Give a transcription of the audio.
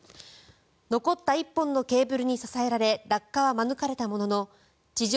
残った１本のケーブルに支えられ落下は免れたものの地上